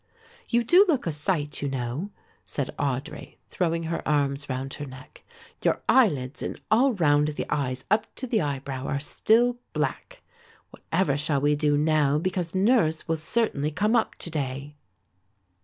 "You do look a sight, you know," said Audry, throwing her arms round her neck. "Your eyelids and all round the eyes up to the eyebrow are still black. Whatever shall we do now, because nurse will certainly come up to day?"